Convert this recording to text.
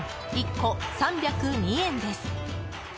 １個３０２円です。